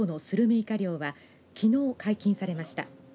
イカ漁はきのう解禁されました。